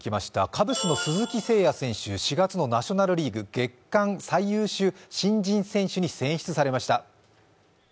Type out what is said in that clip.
カブスの鈴木誠也選手、４月のナ・リーグ、月間最優秀新人選手に選出されました。